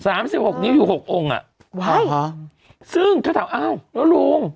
สามสิบหกนิ้วอยู่หกองอ่ะเฮ้ยซึ่งเธอถามอ้าวแล้วลุง